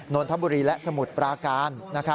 นนทบุรีและสมุทรปราการ